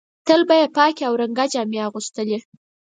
تل به یې پاکې او رنګه جامې اغوستلې.